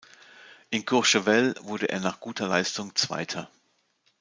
In Courchevel wurde er nach guter Leistung zweiter.